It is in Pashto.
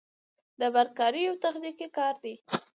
د برق کاري یو تخنیکي کار دی